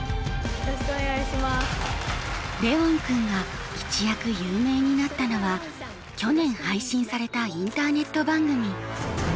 レウォン君が一躍有名になったのは去年配信されたインターネット番組。